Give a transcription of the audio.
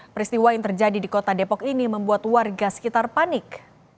peristiwa yang terjadi di kota depok ini membuat warga sekitar panik